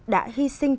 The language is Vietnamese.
đã hy sinh